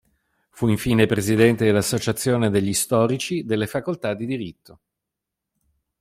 Fu, infine, Presidente dell'associazione degli storici delle facoltà di diritto.